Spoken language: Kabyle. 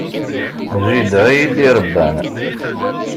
D jida ay iyi-d-iṛebban.